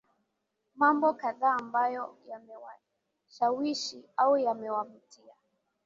mambo kadhaa ambayo yamewashawishi au yamewavuta